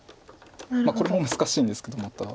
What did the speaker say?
これも難しいんですけどまた。